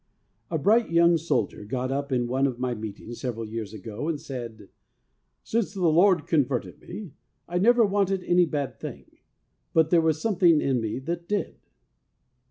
A BRIGHT young Soldier got up in one of my Meetings several years ago and said, ' Since the Lord converted me I never wanted any bad thing, but there was something in me that did.